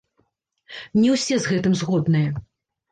Не ўсе з гэтым згодныя.